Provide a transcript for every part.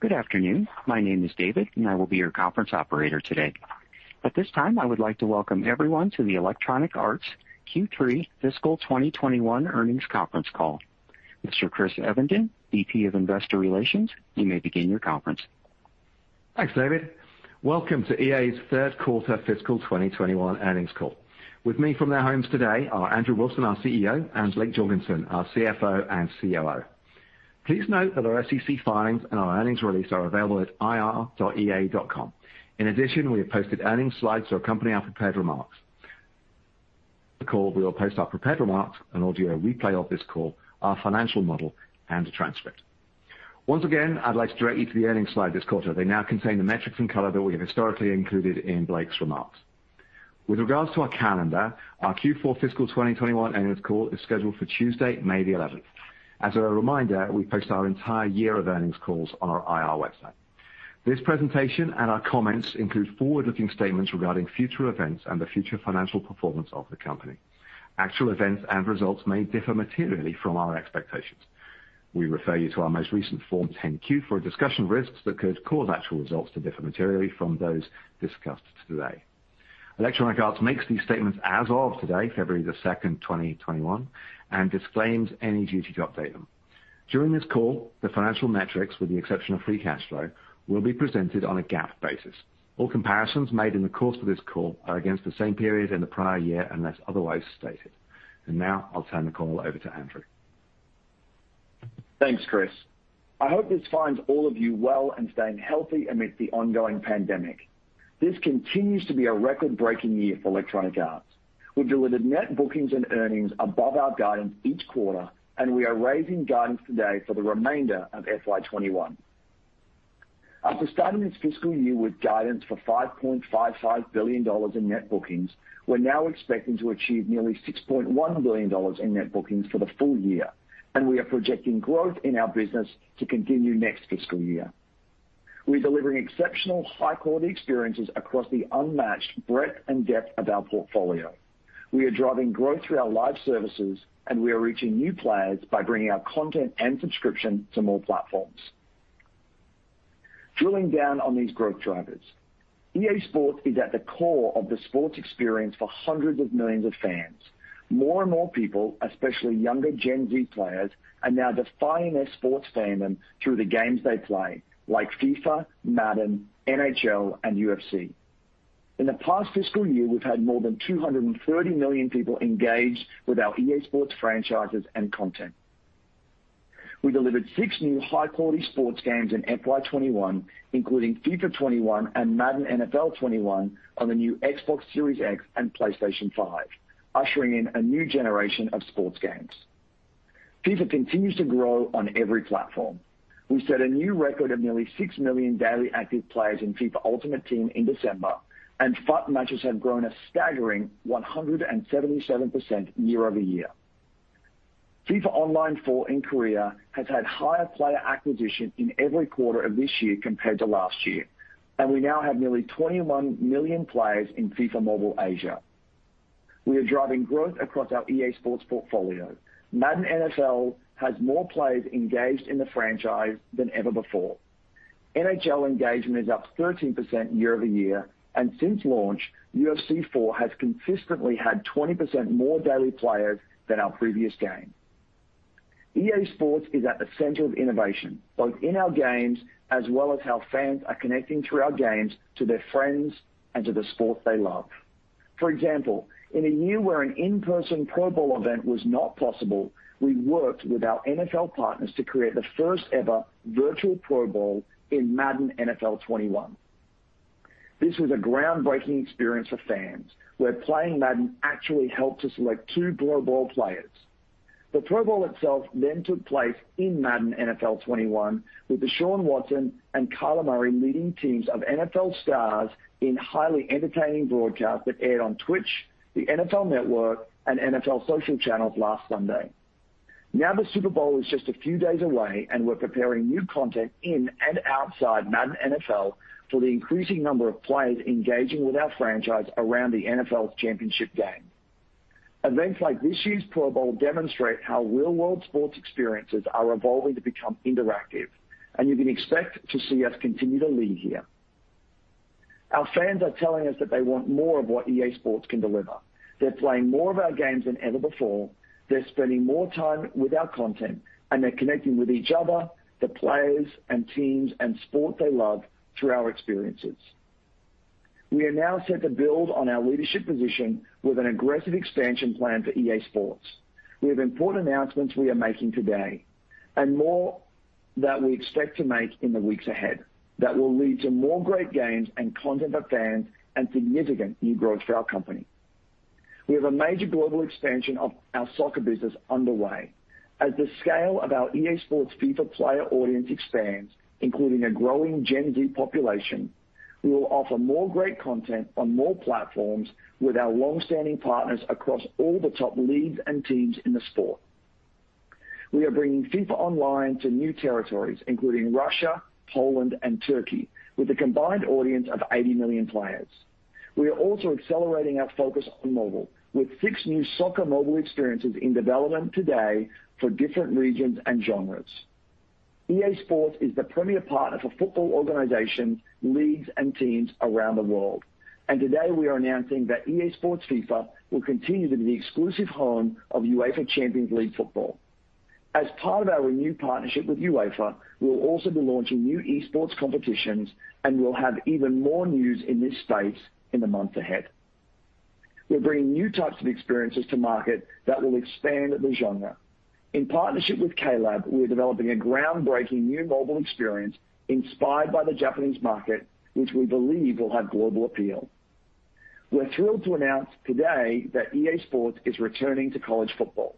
Good afternoon. My name is David. I will be your conference operator today. At this time, I would like to welcome everyone, to the Electronic Arts Q3 Fiscal 2021 Earnings Conference Call. Mr. Chris Evenden, VP of Investor Relations, you may begin your conference. Thanks, David. Welcome to EA's Third Quarter Fiscal 2021 Earnings Call. With me from their homes today are Andrew Wilson, our CEO. And Blake Jorgensen, our CFO and COO. Please note that our SEC filings, and our earnings release are available at ir.ea.com. Additionally, we have posted earnings slides to accompany our prepared remarks. The call will post our prepared remarks, an audio replay of this call. Our financial model, and a transcript. Once again, I'd like to direct you to the earnings slide this quarter. They now contain the metrics, and color that we have historically included in Blake's remarks. With regards to our calendar, our Q4 fiscal 2021 earnings call, is scheduled for Tuesday, May the 11th. As a reminder, we post our entire year of earnings calls on our IR website. This presentation, and our comments include forward-looking statements regarding future events, and the future financial performance of the company. Actual events, and results may differ materially from our expectations. We refer you to our most recent Form 10-Q, for a discussion of risks. That could cause actual results, to differ materially from those discussed today. Electronic Arts makes these statements as of today, February 2, 2021, and disclaims any duty to update them. During this call, the financial metrics, with the exception of free cash flow. Will be presented on a GAAP basis. All comparisons made in the course of this call. Are against the same period in the prior year, unless otherwise stated. Now I'll turn the call over to Andrew. Thanks, Chris. I hope this finds all of you well, and staying healthy amid the ongoing pandemic. This continues to be a record-breaking year for Electronic Arts. We've delivered net bookings, and earnings above our guidance each quarter. And we are raising guidance today, for the remainder of FY 2021. After starting this fiscal year, with guidance for $5.55 billion in net bookings. We're now expecting to achieve, nearly $6.1 billion in net bookings for the full year. And we are projecting growth in our business, to continue next fiscal year. We're delivering exceptional high-quality experiences. Across the unmatched breadth, and depth of our portfolio. We are driving growth through our live services, and we are reaching new players. By bringing our content, and subscription to more platforms. Drilling down on these growth drivers. EA SPORTS is at the core of the sports experience, for hundreds of millions of fans. More and more people, especially younger Gen Z players. Are now defining their sports fandom, through the games they play. Like FIFA, Madden, NHL, and UFC. In the past fiscal year, we've had more than 230 million people engaged with our EA SPORTS franchises, and content. We delivered six new high-quality sports games in FY 2021. Including FIFA 21, and Madden NFL 21 on the new Xbox Series X, and PlayStation Five. Ushering in a new generation of sports games. FIFA continues to grow on every platform. We set a new record of nearly 6 million daily active players, in FIFA Ultimate Team in December. And FUT matches have grown a staggering 177% year-over-year. FIFA Online Four in Korea has had higher player acquisition, in every quarter of this year compared to last year. And we now have nearly 21 million players, in FIFA Mobile Asia. We are driving growth, across our EA SPORTS portfolio. Madden NFL has more players engaged in the franchise than ever before. NHL engagement is up 13% year-over-year, and since launch. UFC Four has consistently had 20% more daily players, than our previous game. EA SPORTS is at the center of innovation, both in our games. As well as how fans are connecting through our games, to their friends. And to the sport they love. For example, in a year where an in-person Pro Bowl event was not possible. We worked with our NFL partners, to create the first ever virtual Pro Bowl in Madden NFL 21. This was a groundbreaking experience for fans. Where playing Madden actually, helped to select two Pro Bowl players. The Pro Bowl itself then took place in Madden NFL 21. With Deshaun Watson, and Kyler Murray leading teams of NFL stars. In highly entertaining broadcasts that aired on Twitch, the NFL Network, and NFL social channels last Sunday. Now the Super Bowl is just a few days away. And we're preparing new content in, and outside Madden NFL. For the increasing number of players engaging, with our franchise around the NFL championship game. Events like this year's Pro Bowl demonstrate, how real-world sports experiences are evolving to become interactive. And you can expect, to see us continue to lead here. Our fans are telling us that they want more, of what EA SPORTS can deliver. They're playing more of our games than ever before. They're spending more time with our content, and they're connecting with each other. The players, and teams, and sport they love through our experiences. We are now set to build on our leadership position, with an aggressive expansion plan for EA SPORTS. We have important announcements we are making today, and more that we expect to make in the weeks ahead. That will lead to more great games, and content for fans. And significant new growth for our company. We have a major global expansion, of our soccer business underway. As the scale of our EA SPORTS FIFA player audience expands, including a growing Gen Z population. We will offer more great content on more platforms. With our longstanding partners across all the top leagues, and teams in the sport. We are bringing FIFA Online to new territories. Including Russia, Poland, and Turkey. With a combined audience of 80 million players. We are also accelerating our focus on mobile. With six new soccer mobile experiences in development today, for different regions and genres. EA SPORTS is the premier partner for football organizations, leagues, and teams around the world. Today, we are announcing that EA SPORTS FIFA. Will continue to be the exclusive home of UEFA Champions League football. As part of our renewed partnership with UEFA. We will also be launching new esports competitions, and we'll have even more news in this space in the months ahead. We're bringing new types of experiences to market, that will expand the genre. In partnership with KLab, we are developing a groundbreaking new mobile experience. Inspired by the Japanese market, which we believe will have global appeal. We're thrilled to announce today, that EA SPORTS is returning to college football.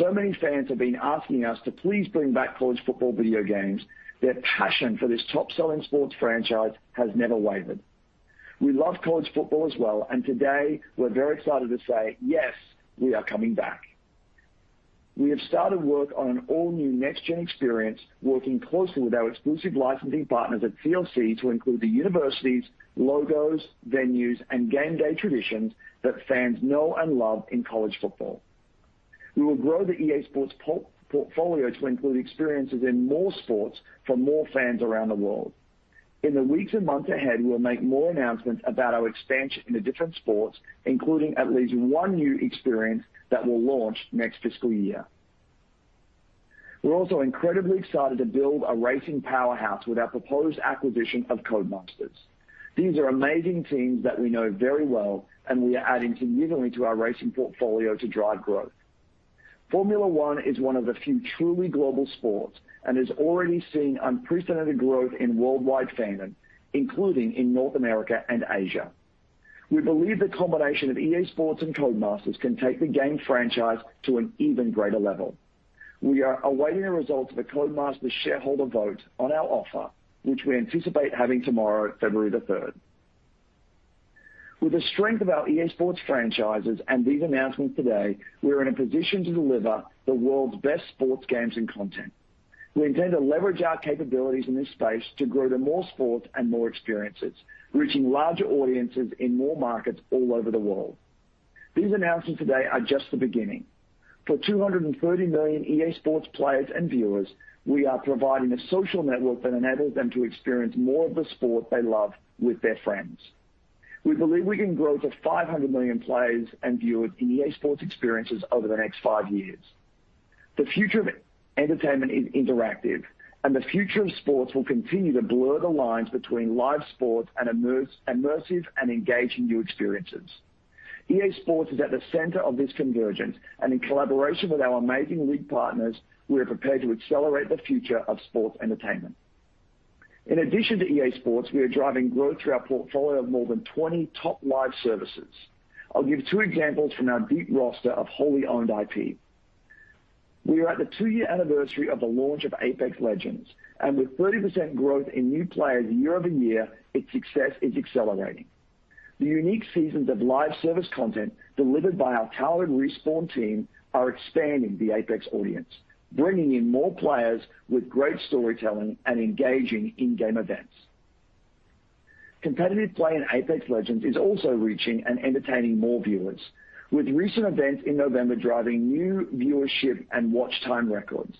Many fans have been asking us, to please bring back college football video games. Their passion for this top-selling sports franchise has never wavered. We love college football as well, and today we're very excited to say. Yes, we are coming back. We have started work on an all-new next-gen experience. Working closely with our exclusive licensing partners at CLC. To include the universities, logos, venues, and game day traditions. That fans know, and love in college football. We will grow the EA SPORTS portfolio, to include experiences in more sports, for more fans around the world. In the weeks, and months ahead. We will make more announcements, about our expansion into different sports. Including at least one new experience, that will launch next fiscal year. We're also incredibly excited to build a racing powerhouse, with our proposed acquisition of Codemasters. These are amazing teams that we know very well. And we are adding significantly, to our racing portfolio to drive growth. Formula One is one of the few truly global sports, and has already seen unprecedented growth in worldwide fandom, including in North America and Asia. We believe the combination of EA SPORTS, and Codemasters. Can take the game franchise, to an even greater level. We are awaiting the results of the Codemasters shareholder vote on our offer. Which we anticipate having tomorrow, February 3rd. With the strength of our EA SPORTS franchises, and these announcements today. We are in a position to deliver, the world's best sports games, and content. We intend to leverage our capabilities in this space, to grow to more sports and more experiences. Reaching larger audiences, in more markets all over the world. These announcements today are just the beginning. For 230 million EA SPORTS players, and viewers. We are providing a social network that enables them, to experience more of the sport they love with their friends. We believe we can grow to 500 million players, and viewers in EA SPORTS experiences over the next five years. The future of entertainment is interactive, and the future of sports. Will continue to blur the lines between live sports, and immersive, and engaging new experiences. EA SPORTS is at the center of this convergence, and in collaboration with our amazing league partners. We are prepared to accelerate the future of sports entertainment. In addition to EA SPORTS, we are driving growth. Through our portfolio, of more than 20 top live services. I'll give two examples from our deep roster of wholly owned IP. We are at the two-year anniversary, of the launch of Apex Legends. With 30% growth in new players year-over-year, its success is accelerating. The unique seasons of live service content, delivered by our talented Respawn. Are expanding the Apex audience, bringing in more players. With great storytelling, and engaging in-game events. Competitive play in Apex Legends is also reaching, and entertaining more viewers. With recent events in November driving new viewership, and watch time records.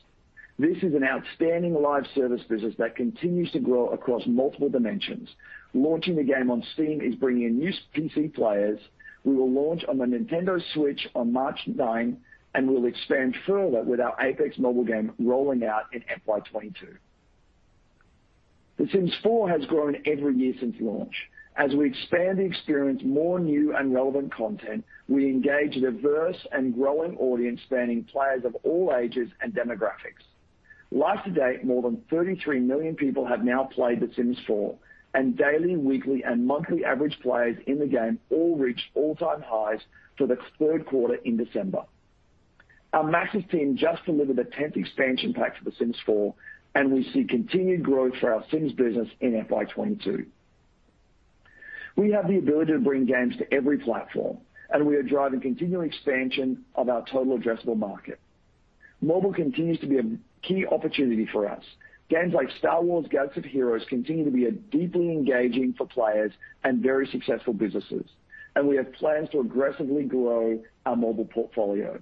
This is an outstanding live service business. That continues to grow across multiple dimensions. Launching the game on Steam, is bringing in new PC players. We will launch on the Nintendo Switch on March 9. And we'll expand further, with our Apex Mobile game rolling out in FY 2022. The Sims Four has grown every year since launch. As we expand the experience with more new, and relevant content. We engage a diverse, and growing audience spanning players of all ages, and demographics. Life-to-date, more than 33 million people have now played The Sims Four. And daily, weekly, and monthly average players in the game. All reached all-time highs, for the third quarter in December. Our Maxis team just delivered, a 10th expansion pack for The Sims Four. And we see continued growth, for our Sims business in FY 2022. We have the ability, to bring games to every platform. And we are driving continual expansion, of our total addressable market. Mobile continues to be a key opportunity for us. Games like Star Wars: Galaxy of Heroes, continue to be deeply engaging for players, and very successful businesses. We have plans to aggressively grow our mobile portfolio.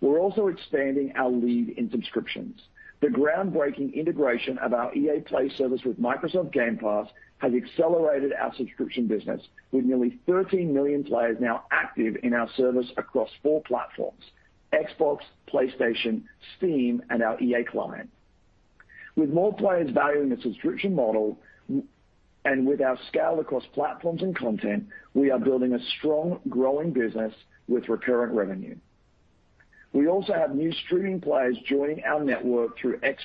We're also expanding our lead in subscriptions. The groundbreaking integration of our EA Play service. With Xbox Game Pass, has accelerated our subscription business. With nearly, 13 million players now active in our service across four platforms. Xbox, PlayStation, Steam, and our EA client. With more players valuing the subscription model, and with our scale across platforms and content. We are building a strong, growing business with recurrent revenue. We also have new streaming players joining our network. Through Xbox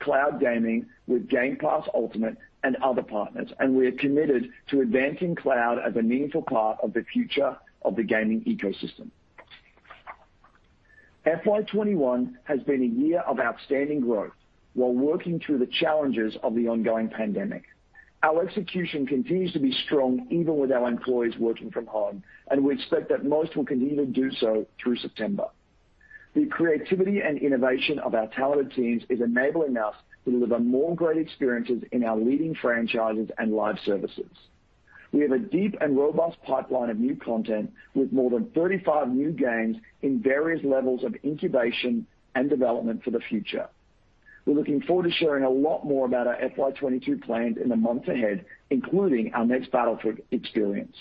Cloud Gaming, with Xbox Game Pass Ultimate, and other partners. We are committed to advancing cloud, as a meaningful part of the future of the gaming ecosystem. FY 2021 has been a year of outstanding growth. While working through the challenges of the ongoing pandemic. Our execution continues to be strong, even with our employees working from home. And we expect that most will continue to do so through September. The creativity, and innovation of our talented teams is enabling us. To deliver more great experiences in our leading franchises, and live services. We have a deep, and robust pipeline of new content. With more than 35 new games, in various levels of incubation, and development for the future. We're looking forward to sharing a lot more about, our FY 2022 plans in the months ahead. Including our next Battlefield experience,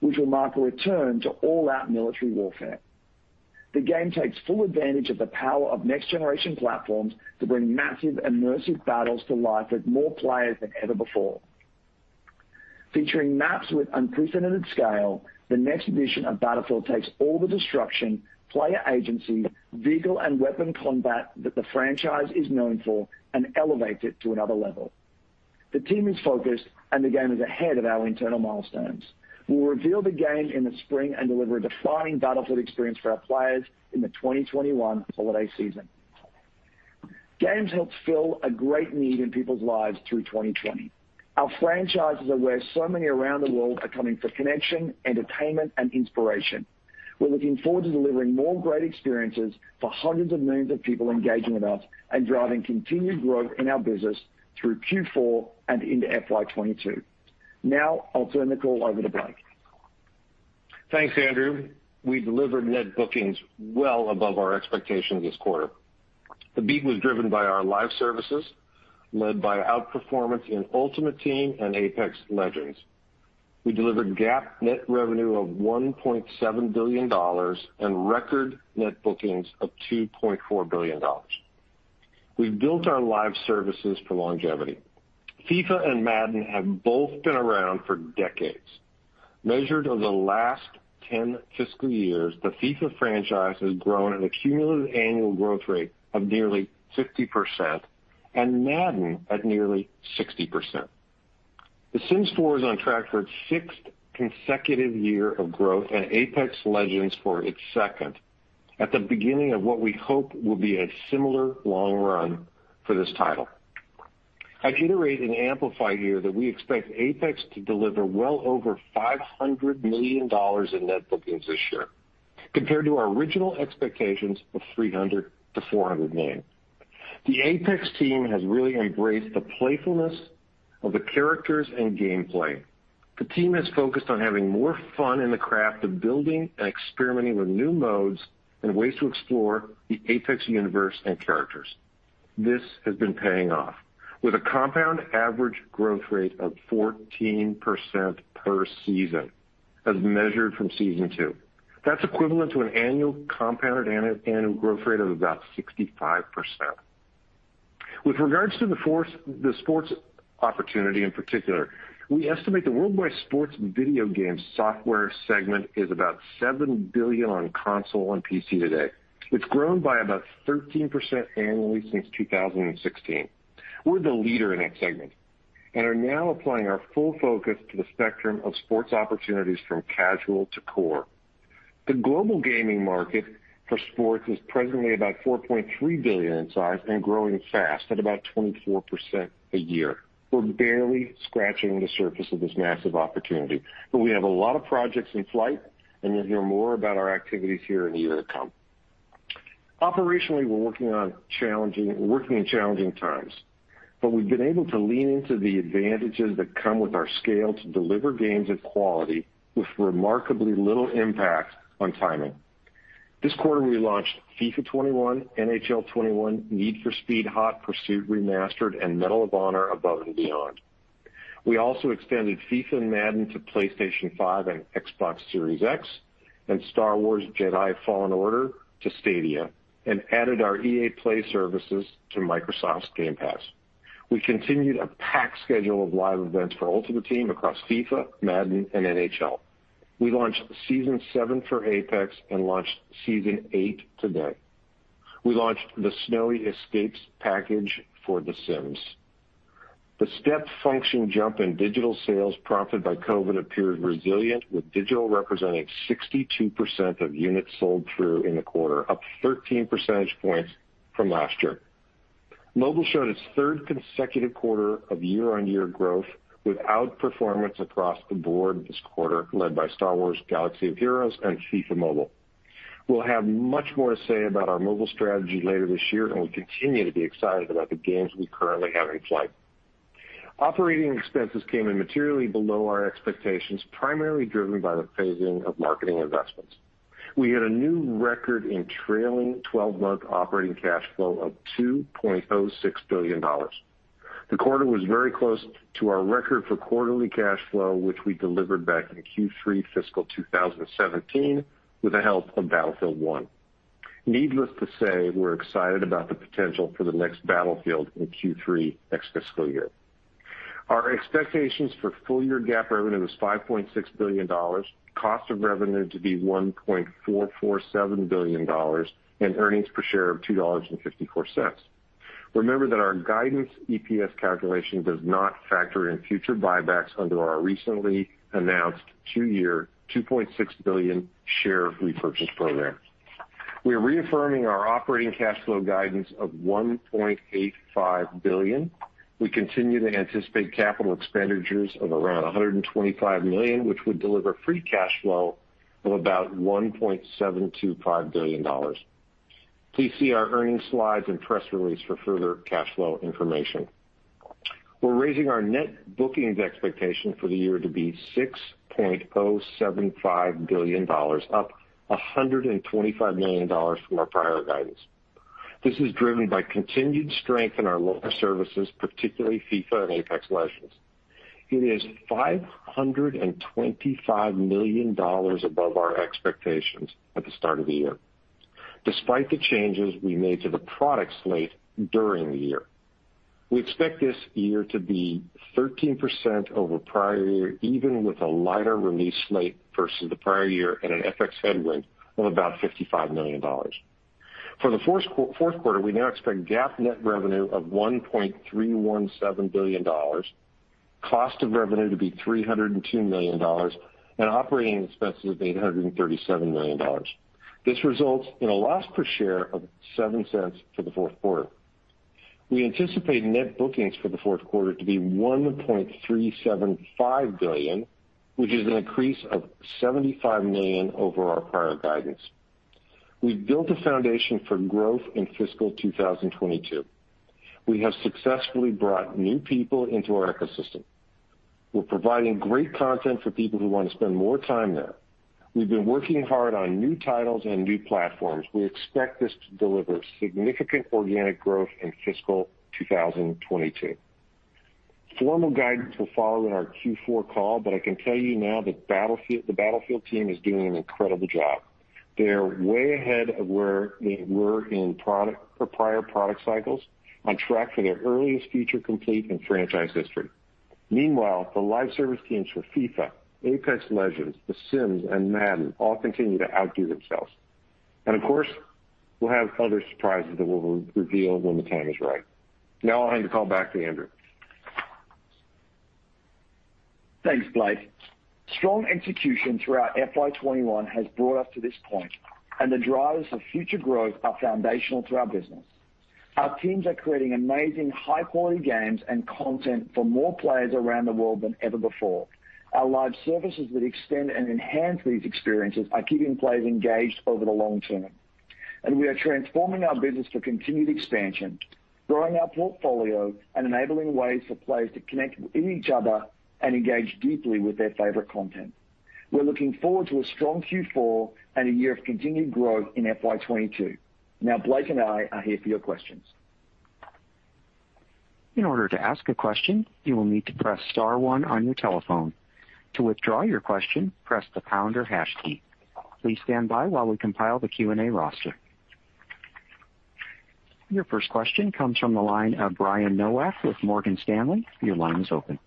which will mark a return to all-out military warfare. The game takes full advantage, of the power of next-generation platforms. To bring massive immersive battles to life, with more players than ever before. Featuring maps with unprecedented scale, the next edition of Battlefield. Takes all the destruction, player agency, vehicle, and weapon combat. That the franchise is known for, and elevates it to another level. The team is focused, and the game is ahead of our internal milestones. We'll reveal the game in the spring, and deliver a defining Battlefield experience, for our players in the 2021 holiday season. Games helped fill a great need in people's lives through 2020. Our franchises are, where so many around the world. Are coming for connection, entertainment, and inspiration. We're looking forward to delivering more great experiences. For 100s of millions of people engaging with us. And driving continued growth in our business through Q4, and into FY 2022. Now I'll turn the call over to Blake. Thanks, Andrew. We delivered net bookings, well above our expectations this quarter. The beat was driven by our live services. Led by outperformance in Ultimate Team, and Apex Legends. We delivered GAAP net revenue of $1.7 billion, and record net bookings of $2.4 billion. We've built our live services for longevity. FIFA, and Madden have both been around for decades. Measured over the last 10 fiscal years. The FIFA franchise has grown at a cumulative annual growth rate of nearly 50%, and Madden at nearly 60%. The Sims Four is on track, for its sixth consecutive year of growth, and Apex Legends for its second. At the beginning of what we hope, will be a similar long run for this title. I'd iterate, and amplify here that we expect Apex. To deliver well over $500 million in net bookings this year, compared to our original expectations of $300 million-$400 million. The Apex team has really embraced, the playfulness of the characters, and gameplay. The team has focused on having more fun in the craft of building. And experimenting with new modes, and ways to explore the Apex universe, and characters. This has been paying off, with a compound average growth rate of 14% per season, as measured from season two. That's equivalent to an annual compounded annual growth rate of about 65%. With regards to the sports opportunity in particular. We estimate the worldwide sports video game software segment, is about $7 billion on console, and PC today. It's grown by about 13% annually since 2016. We're the leader in that segment, and are now applying our full focus. To the spectrum of sports opportunities from casual to core. The global gaming market, for sports is presently about $4.3 billion in size, and growing fast, at about 24% a year. We're barely scratching the surface, of this massive opportunity. But we have a lot of projects in flight, and you'll hear more. About our activities here in the year to come. Operationally, we're working in challenging times. But we've been able to lean into the advantages. That come with our scale, to deliver games of quality. With remarkably little impact on timing. This quarter, we launched FIFA 21, NHL 21, Need for Speed Hot Pursuit Remastered, and Medal of Honor: Above and Beyond. We also expanded FIFA, and Madden to PlayStation Five, and Xbox Series X. And Star Wars Jedi: Fallen Order to Stadia, and added our EA Play services to Microsoft's Game Pass. We continued a packed schedule of live events. For Ultimate Team across FIFA, Madden, and NHL. We launched Season Seven for Apex, and launched Season Eight today. We launched, the Snowy Escape package for The Sims. The step function jump in digital sales, prompted by COVID appeared resilient. With digital representing 62% of units sold, through in the quarter. Up 13 percentage points from last year. Mobile showed its third consecutive quarter of year-on-year growth. With outperformance across the board, this quarter led by Star Wars: Galaxy of Heroes, and FIFA Mobile. We'll have much more to say, about our mobile strategy later this year. And we continue to be excited, about the games we currently have in flight. Operating expenses came in materially below our expectations. Primarily, driven by the phasing of marketing investments. We hit a new record in trailing 12-month operating cash flow of $2.06 billion. The quarter was very close, to our record for quarterly cash flow. Which we delivered back in Q3 fiscal 2017, with the help of Battlefield One. Needless to say, we're excited about the potential, for the next Battlefield in Q3 next fiscal year. Our expectations for full-year GAAP revenue is $5.6 billion, cost of revenue to be $1.447 billion. And earnings per share of $2.54. Remember that our guidance EPS calculation, does not factor in future buybacks. Under our recently announced, two-year 2.6 billion share repurchase program. We are reaffirming, our operating cash flow guidance of $1.85 billion. We continue to anticipate capital expenditures of around $125 million. Which would deliver free cash flow of about $1.725 billion. Please see our earnings slides, and press release for further cash flow information. We're raising our net bookings expectation, for the year to be $6.075 billion. Up $125 million from our prior guidance. This is driven by continued strength in our local services. Particularly FIFA, and Apex Legends. It is $525 million above our expectations, at the start of the year. Despite the changes we made, to the product slate during the year. We expect this year to be 13% over prior year. Even with a lighter release slate versus the prior year, and an FX headwind of about $55 million. For the fourth quarter, we now expect GAAP net revenue of $1.317 billion. Cost of revenue to be $302 million, and operating expenses of $837 million. This results in a loss per share of $0.07, for the fourth quarter. We anticipate net bookings for the fourth quarter to be $1.375 billion. Which is an increase, of $75 million over our prior guidance. We've built a foundation for growth in fiscal 2022. We have successfully brought new people, into our ecosystem. We're providing great content for people, who want to spend more time there. We've been working hard on new titles, and new platforms. We expect this to deliver significant organic growth in fiscal 2022. Formal guidance will follow in our Q4 call, but I can tell you now. That the Battlefield team is doing an incredible job. They're way ahead of, where they were in prior product cycles. On track for their earliest future complete in franchise history. Meanwhile, the live service teams for FIFA, Apex Legends, The Sims, and Madden all continue to outdo themselves. Of course, we'll have other surprises that we'll reveal, when the time is right. Now I'll hand the call back to Andrew. Thanks, Blake. Strong execution throughout FY 2021, has brought us to this point. And the drivers of future growth, are foundational to our business. Our teams are creating amazing high-quality games, and content for more players around the world than ever before. Our live services that extend, and enhance these experiences. Are keeping players engaged over the long term. We are transforming our business, for continued expansion. Growing our portfolio, and enabling ways for players to connect with each other. And engage deeply with their favorite content. We're looking forward to a strong Q4, and a year of continued growth in FY 2022. Now Blake, and I are here for your questions. In order to ask a question, you'll need to press star one on your telephone. To withdraw your question, press the pound or hash key. Please standby, while we compile the Q&A roster. Your first question comes from, the line of Brian Nowak with Morgan Stanley. Your line is open.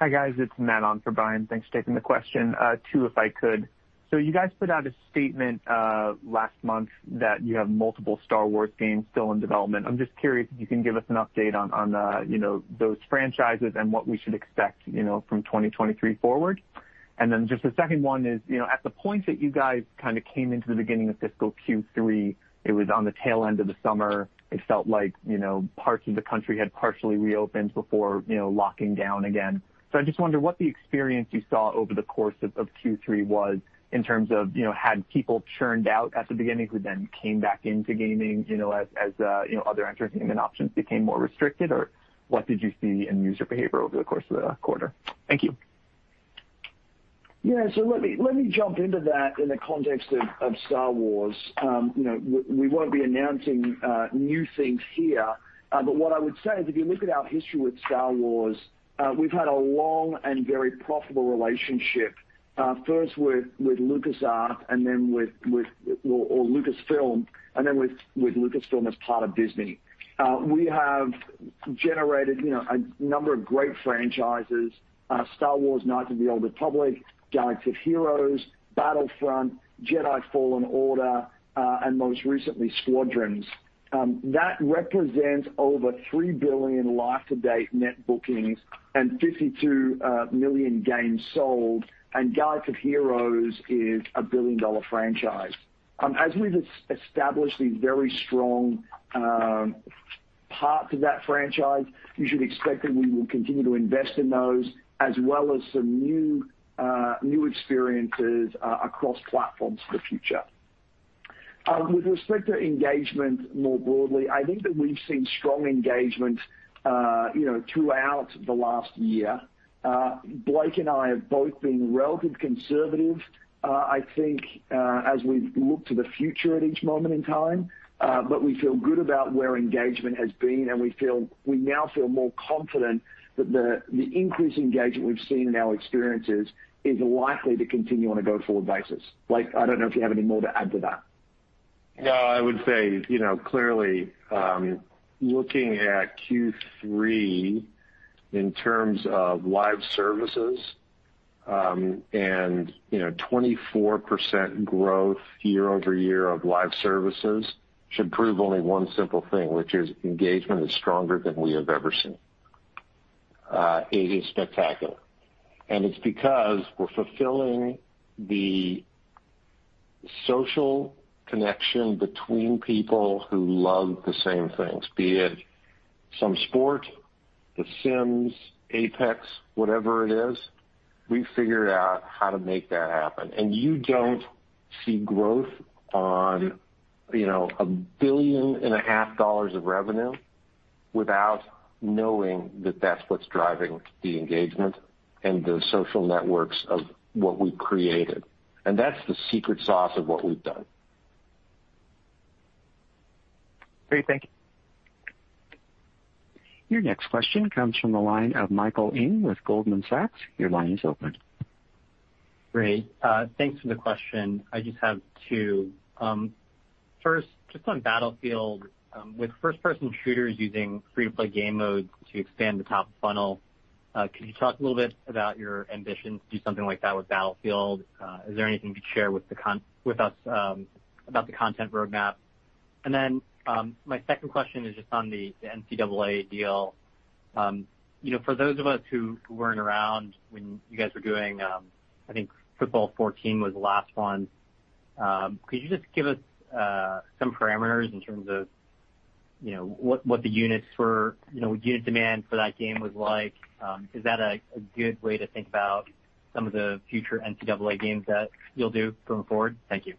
Hi, guys. It's Matt on for Brian. Thanks for taking the question. Two, if I could. You guys put out a statement last month, that you have multiple Star Wars games still in development. I'm just curious, if you can give us an update on those franchises. And what we should expect from 2023 forward. Then just the second one is, at the point that you guys. Kind of came into the beginning of fiscal Q3, it was on the tail end of the summer. It felt like parts of the country, had partially reopened before, you know, locking down again. I just wonder, what the experience you saw over the course of Q3 was? In terms of had people churned out at the beginning. Who then came back into gaming, as other entertainment options became more restricted? What did you see in user behavior, over the course of the quarter? Thank you. Yeah. Let me jump into that in the context of Star Wars. We won't be announcing new things here. What I would say, is if you look at our history with Star Wars. We've had a long, and very profitable relationship. First with Lucasfilm, and then with Lucasfilm as part of Disney. We have generated a number of great franchises, Star Wars: Knights of the Old Republic, Galaxy of Heroes, Battlefront, Jedi: Fallen Order, and most recently Squadrons. That represents over $3 billion life-to-date net bookings, and 52 million games sold. And Galaxy of Heroes is a billion-dollar franchise. As we've established, these very strong parts of that franchise. You should expect that, we will continue to invest in those. As well as some new experiences across platforms for the future. With respect to engagement more broadly. I think, that we've seen strong engagement throughout the last year. Blake and I have both been relative conservatives. I think, as we've looked to the future at each moment in time. We feel good about, where engagement has been. And we now feel more confident, that the increased engagement. We've seen in our experiences is likely, to continue on a go-forward basis. Blake, I don't know if you have anything more to add to that. I would say, clearly, looking at Q3 in terms of live services. And 24% growth year-over-year of live services, should prove only one simple thing. Which is engagement is stronger, than we have ever seen. It is spectacular. It's because we're fulfilling the social connection. Between people who love the same things, be it some sport, The Sims, Apex, whatever it is. We figured out, how to make that happen. You don't see growth on $1.5 billion of revenue, without knowing that's what's driving the engagement. And the social networks, of what we've created. That's the secret sauce of what we've done. Great. Thank you. Your next question comes from, the line of Michael Ng with Goldman Sachs. Your line is open. Great. Thanks for the question. I just have two. First, on Battlefield, with first-person shooters. Using free-to-play game modes, to expand the top of funnel. Could you talk a little bit, about your ambition to do something like that with Battlefield? Is there anything you could share with us, about the content roadmap? My second question is just on the NCAA deal. For those of us, who weren't around? When you guys were doing, I think Football 14 was the last one? Could you just give us, some parameters in terms of? What the unit demand for that game was like? Is that a good way to think about, some of the future NCAA games, that you'll do going forward? Thank you.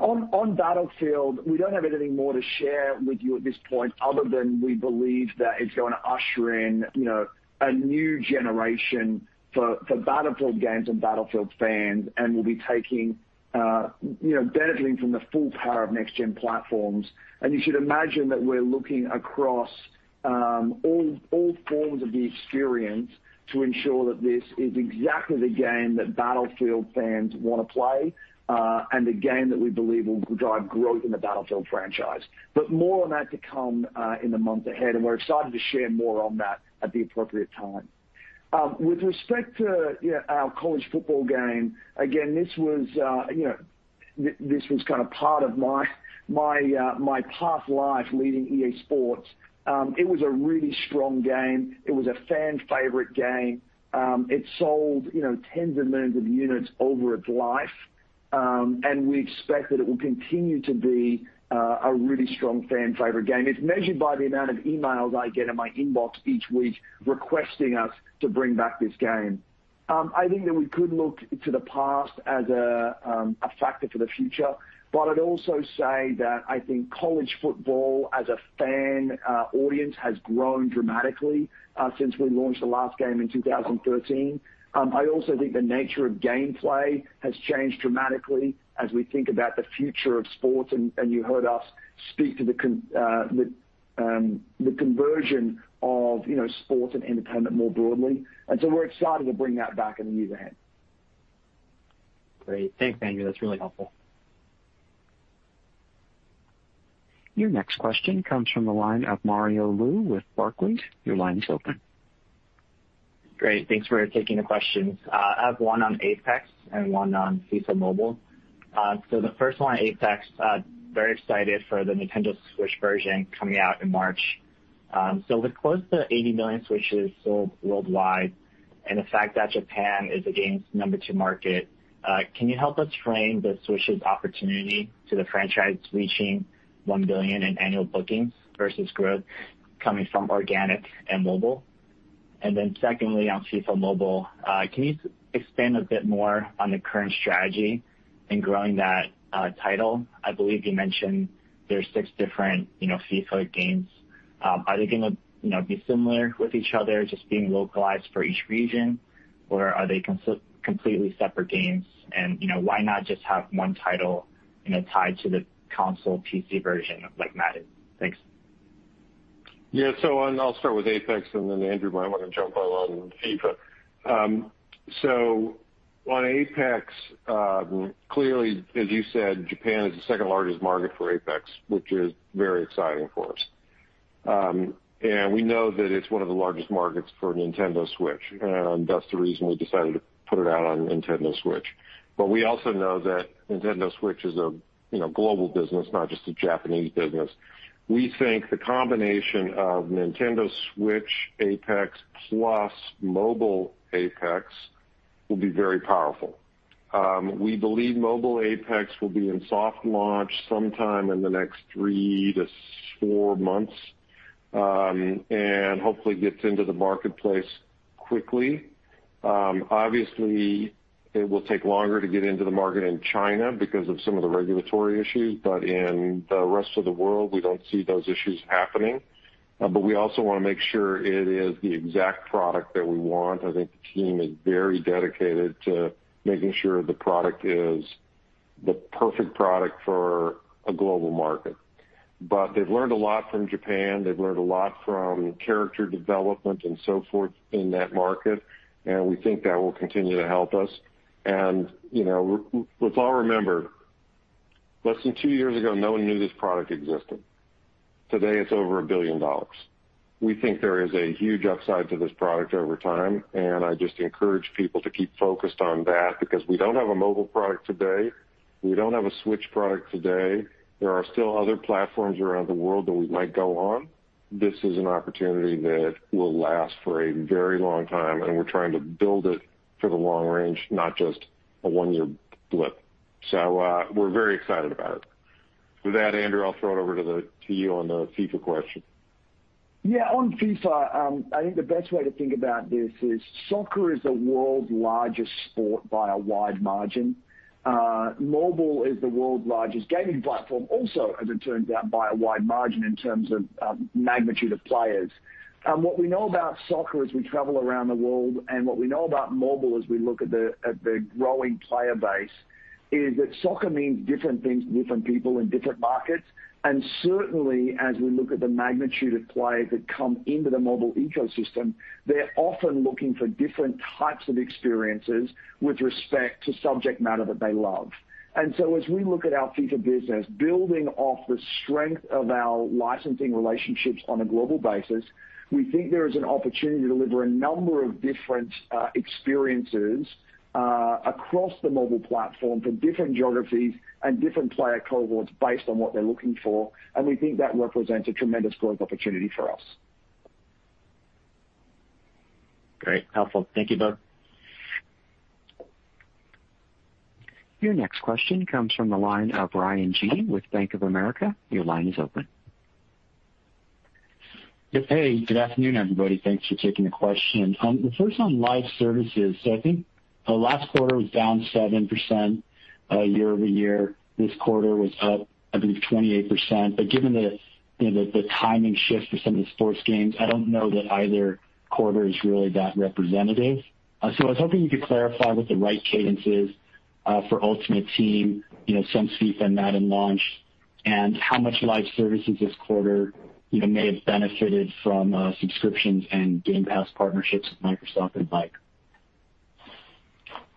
On Battlefield, we don't have anything more to share with you at this point. Other than we believe, that it's going to usher in. A new generation for Battlefield games, and Battlefield fans. And will be benefiting, from the full power of next gen platforms. You should imagine that we're looking across, all forms of the experience. To ensure that this is exactly the game, that Battlefield fans want to play. And the game that we believe, will drive growth in the Battlefield franchise. More on that to come in the month ahead, and we're excited to share more on that, at the appropriate time. With respect to our college football game, again this was, kind of part of my past life leading EA SPORTS. It was a really strong game. It was a fan favorite game. It sold 10s of millions of units over its life. And we expect that it will continue to be, a really strong fan favorite game. It's measured by the amount of emails I get in my inbox each week, requesting us to bring back this game. I think that we could look to the past, as a factor for the future. But I'd also say that I think college football, as a fan audience has grown dramatically. Since we launched the last game in 2013. I also think the nature of gameplay, has changed dramatically. As we think about the future of sports, and you heard us speak. To the conversion of sports, and independent more broadly. We're excited to bring that back in the year ahead. Great. Thanks, Andrew. That's really helpful. Your next question comes from, the line of Mario Lu with Barclays. Your line is open. Great. Thanks for taking the questions. I have one on Apex, and one on FIFA Mobile. The first one on Apex, very excited for the Nintendo Switch version, coming out in March. With close to 80 million Switches sold worldwide, and the fact that Japan is the game's number two market. Can you help us frame the Switch's opportunity? To the franchise reaching $1 billion in annual bookings, versus growth coming from organic, and mobile. Secondly, on FIFA Mobile, can you expand a bit more, on the current strategy in growing that title? I believe you mentioned, there's six different FIFA games. Are they going to be similar with each other, just being localized for each region? Or are they completely separate games? Why not just have one title, tied to the console PC version like Madden? Thanks. Yeah. I'll start with Apex, and then Andrew might want to jump in on FIFA. On Apex, clearly, as you said, Japan is the second largest market for Apex. Which is very exciting for us. We know, that it's one of the largest markets for Nintendo Switch. And that's the reason, we decided to put it out on Nintendo Switch. We also know that Nintendo Switch is a global business, not just a Japanese business. We think the combination of Nintendo Switch, Apex plus mobile Apex will be very powerful. We believe mobile Apex will be in soft launch, sometime in the next three to four months. And hopefully, gets into the marketplace quickly. Obviously, it will take longer to get into the market in China, because of some of the regulatory issues. But in the rest of the world, we don't see those issues happening. We also want to make sure, it is the exact product that we want. I think the team is very dedicated, to making sure the product is, the perfect product for a global market. They've learned a lot from Japan. They've learned a lot from character development, and so forth in that market. And we think, that will continue to help us. You know, let's all remember, less than two years ago. No one knew this product existed. Today, it's over $1 billion. We think there is a huge upside, to this product over time. I just encourage people to keep focused on that, because we don't have a mobile product today. We don't have a Switch product today. There are still other platforms around the world, that we might go on. This is an opportunity, that will last for a very long time. And we're trying to build it for the long range, not just a one-year blip. We're very excited about it. With that, Andrew, I'll throw it over to you on the FIFA question. Yeah. On FIFA, I think the best way to think about. This is soccer, is the world's largest sport by a wide margin. Mobile is the world's largest gaming platform also. As it turns out, by a wide margin in terms of magnitude of players. What we know about soccer, as we travel around the world. And what we know about mobile, as we look at the growing player base. Is that soccer means different things, to different people in different markets. Certainly, as we look at the magnitude of players, that come into the mobile ecosystem. They're often looking for different types of experiences, with respect to subject matter that they love. As we look at our FIFA business, building off the strength. Of our licensing relationships on a global basis. We think there is an opportunity, to deliver a number of different experiences. Across the mobile platform for different geographies, and different player cohorts. Based on what they're looking for, and we think that represents a tremendous growth opportunity for us. Great. Helpful. Thank you, both. Your next question comes from, the line of Ryan Gee with Bank of America. Your line is open. Hey, good afternoon, everybody. Thanks for taking the question. The first on live services. I think the last quarter was down 7% year-over-year. This quarter was up, I believe, 28%. Given the timing shift, for some of the sports games. I don't know, that either quarter is really that representative. I was hoping you could clarify, what the right cadence is? For Ultimate Team since FIFA, and Madden launched. And how much live services this quarter, may have benefited from subscriptions? And Game Pass partnerships, with Microsoft, and Epic.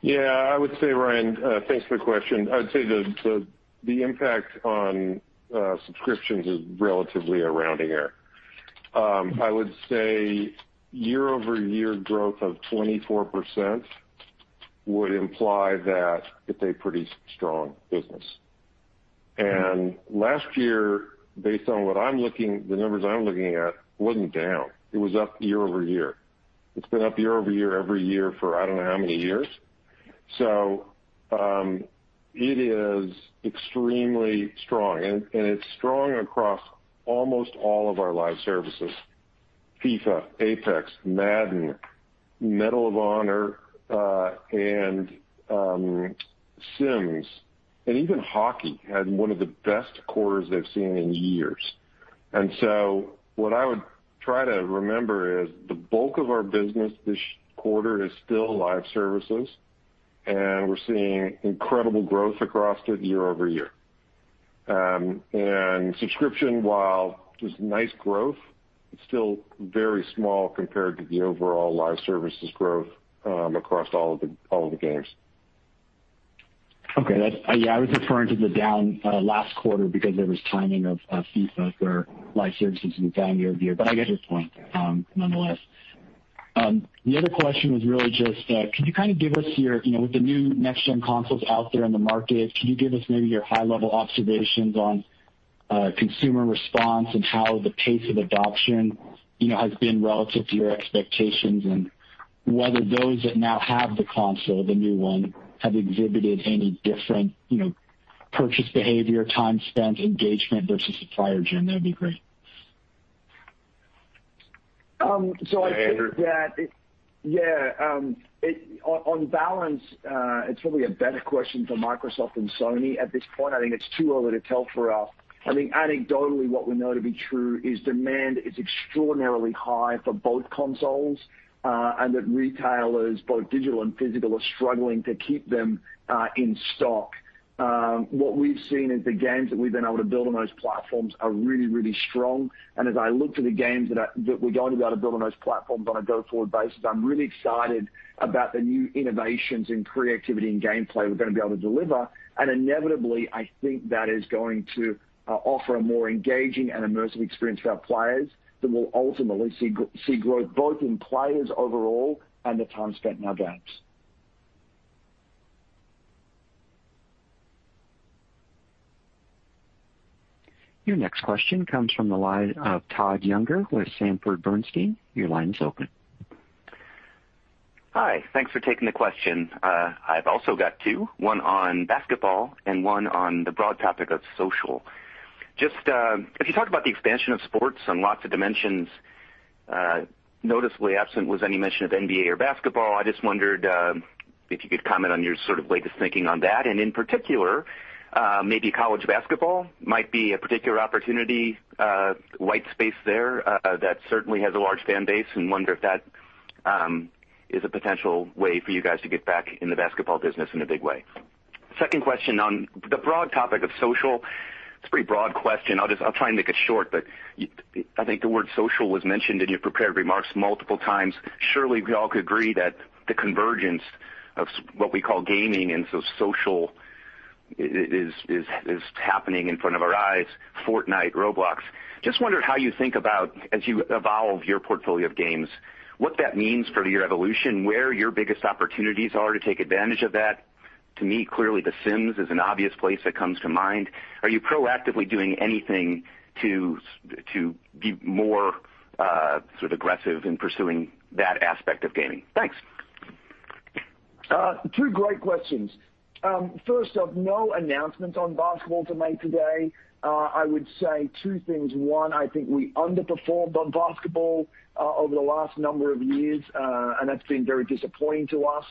Yeah, I would say Ryan, thanks for the question. I would say the impact on subscriptions, is relatively a rounding error. I would say year-over-year growth of 24%, would imply that it's a pretty strong business. Last year, based on the numbers I'm looking at, wasn't down. It was up year-over-year. It's been up year-over-year every year, for I don't know how many years. It is extremely strong, and it's strong across almost all of our live services. FIFA, Apex Legends, Madden, Medal of Honor, and Sims, and even NHL. Had one of the best quarters they've seen in years. What I would try to remember is, the bulk of our business this quarter is still live services. And we're seeing incredible growth, across it year-over-year. Subscription, while just nice growth. It's still very small compared, to the overall live services growth, across all of the games. Okay. Yeah, I was referring to the down last quarter. Because there was timing of FIFA for live services, and down year-over-year. I get your point nonetheless. The other question was really just, with the new next-gen consoles out there in the market. Can you give us maybe your high-level observations, on consumer response? And how the pace of adoption, has been relative to your expectations? Whether those that now have the console, the new one. Have exhibited any different purchase behavior, time spent, engagement versus the prior gen? That'd be great. Yeah, Andrew. Yeah. On balance, it's probably a better question, for Microsoft than Sony at this point. I think, it's too early to tell for us. I think anecdotally, what we know to be true is demand is extraordinarily high for both consoles. And that retailers, both digital, and physical, are struggling to keep them in stock. What we've seen is the games, that we've been able to build on those platforms, are really, really strong. As I look to the games, that we're going to be able to build on those platforms on a go-forward basis. I'm really excited, about the new innovations. In creativity, and gameplay we're going to be able to deliver. Inevitably, I think that is going to offer a more engaging, and immersive experience for our players. That will ultimately, see growth both in players overall, and the time spent in our games. Your next question comes from, the line of Todd Juenger with Sanford C. Bernstein. Your line is open. Hi. Thanks for taking the question. I've also got two, one on basketball, and one on the broad topic of social. Just as you talk about, the expansion of sports on lots of dimensions. Noticeably, absent was any mention of NBA or basketball. I just wondered, if you could comment on your sort of latest thinking on that? And in particular, maybe college basketball might be a particular opportunity. White space there, that certainly has a large fan base. And wonder if that is a potential way for you guys, to get back in the basketball business in a big way? Second question on the broad topic of social. It's a pretty broad question. I'll try, and make it short. But I think the word social was mentioned, in your prepared remarks multiple times. Surely we all could agree that the convergence. Of what we call gaming, and social is happening in front of our eyes, Fortnite, Roblox? Just wondered how you think about, as you evolve your portfolio of games? What that means for your evolution? Where your biggest opportunities, are to take advantage of that? To me, clearly The Sims is an obvious place that comes to mind. Are you proactively doing anything, to be more aggressive in pursuing that aspect of gaming? Thanks. Two great questions. First off, no announcements on basketball to make today. I would say two things. One, I think we underperformed on basketball. Over the last number of years, and that's been very disappointing to us.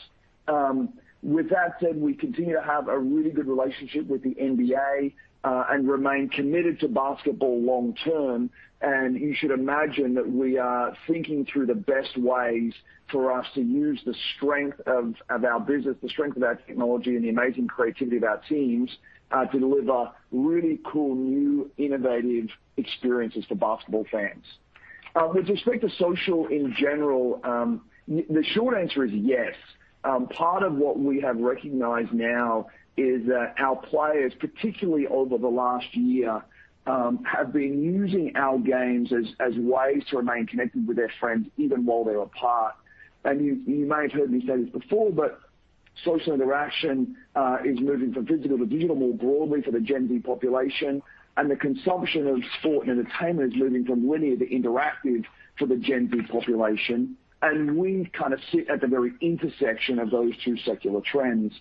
With that said, we continue to have a really good relationship with the NBA. And remain committed, to basketball long term. You should imagine, that we are thinking through the best ways. For us to use the strength of our business, the strength of our technology. And the amazing creativity of our teams, to deliver really cool, new, innovative experiences for basketball fans. With respect to social in general, the short answer is yes. Part of what we have recognized now? Is that our players, particularly over the last year. Have been using our games as ways, to remain connected with their friends, even while they're apart. You may have heard me say this before. But social interaction is moving from physical, to digital more broadly for the Gen Z population. And the consumption of sport, and entertainment is moving from linear, to interactive for the Gen Z population. We kind of sit, at the very intersection of those two secular trends.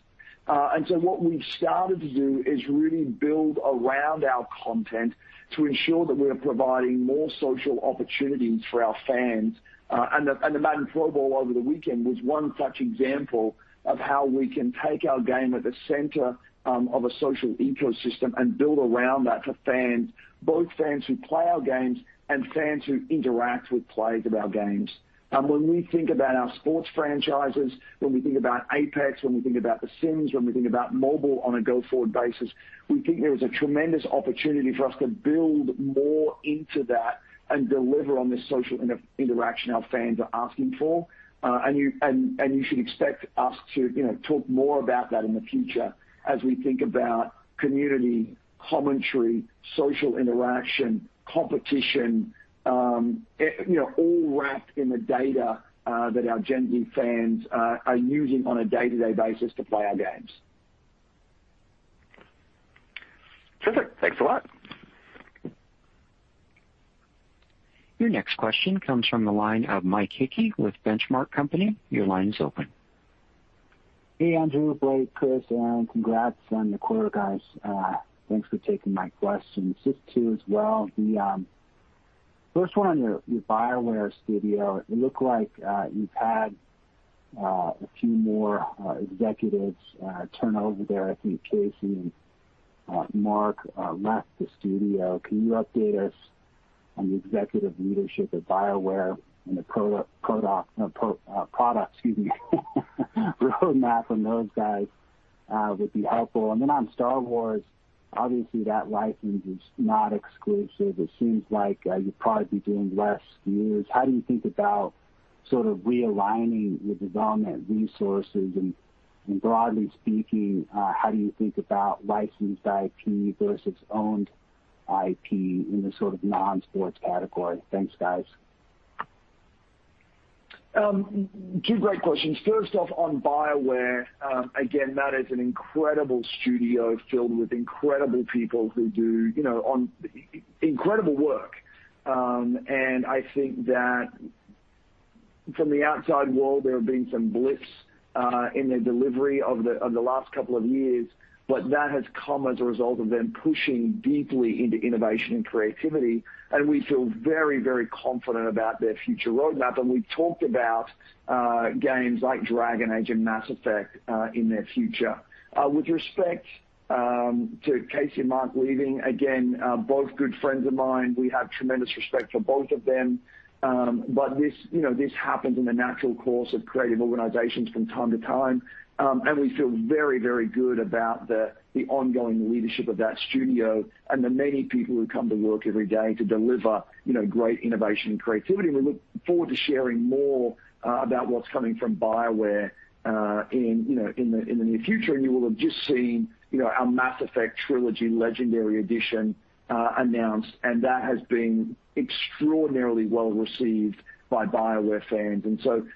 What we've started to do, is really build around our content? To ensure that, we are providing more social opportunities for our fans. The Madden Football over the weekend, was one such example. Of how we can take our game at the center? Of a social ecosystem, and build around that for fans. Both fans who play our games, and fans who interact with players of our games. When we think about our sports franchises? When we think about Apex, when we think about The Sims. When we think about mobile on a go-forward basis. We think there is a tremendous opportunity for us. To build more into that, and deliver on the social interaction our fans are asking for. You should expect us, to talk more about that in the future. As we think about community, commentary, social interaction, competition all wrapped in the data. That our Gen Z fans, are using on a day-to-day basis to play our games. Terrific. Thanks a lot. Your next question comes from, the line of Mike Hickey with Benchmark Company. Your line is open. Hey, Andrew, Blake, Chris, congrats on the quarter, guys. Thanks for taking my questions. Just two as well. The first one on your BioWare studio. It looked like, you've had a few more executives turn over there. I think Casey, and Mark left the studio. Can you update us, on the executive leadership of BioWare? And the product roadmap, from those guys would be helpful. On Star Wars, obviously that license is not exclusive. It seems like you'll probably, be doing less SKUs. How do you think about, sort of realigning your development resources? And broadly speaking, how do you think about licensed IP versus owned IP, in the sort of non-sports category? Thanks, guys. Two great questions. First off on BioWare. Again, that is an incredible studio, filled with incredible people, who do incredible work. I think that from the outside world. There have been some blips, in their delivery over the last couple of years. But that has come, as a result of them pushing. Deeply into innovation, and creativity. And we feel very confident, about their future roadmap. We've talked about games like Dragon Age, and Mass Effect in their future. With respect to Casey, and Mark leaving. Again, both good friends of mine. We have tremendous respect for both of them. This happens in the natural course, of creative organizations from time to time. We feel very good about, the ongoing leadership of that studio. And the many people, who come to work every day. To deliver great innovation, and creativity. We look forward to sharing more about, what's coming from BioWare in the near future. You will have just seen, our Mass Effect Legendary Edition announced. And that has been extraordinarily well-received by BioWare fans.